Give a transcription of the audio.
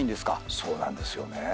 そうなんですよね。